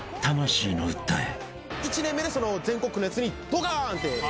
１年目で全国区のやつにドカーンって。